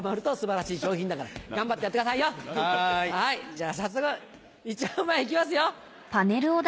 じゃあ早速１問目いきますよ。